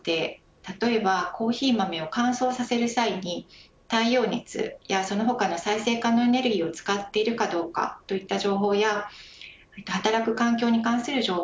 例えばコーヒー豆を乾燥させる際に太陽熱や、その他の再生可能エネルギーを使っているかどうかといった情報や働く環境に関する情報